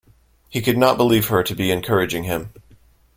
He could not believe her to be encouraging him.